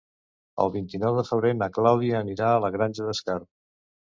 El vint-i-nou de febrer na Clàudia anirà a la Granja d'Escarp.